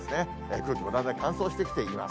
空気もだんだん乾燥してきています。